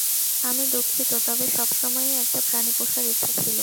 আমি দুঃখিত, তবে সবসময়ই একটা প্রাণী পোষার ইচ্ছা ছিল।